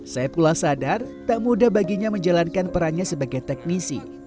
saya pula sadar tak mudah baginya menjalankan perannya sebagai teknisi